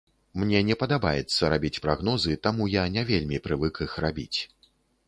Мне не падабаецца рабіць прагнозы, таму я не вельмі прывык іх рабіць.